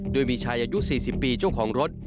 โดยมีชายอายุ๔๐ปีเจ้าของรถ